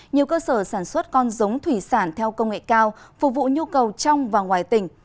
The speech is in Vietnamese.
nhiều cơ sở sản xuất con giống thủy sản theo công nghệ cao phục vụ nhu cầu trong và ngoài tỉnh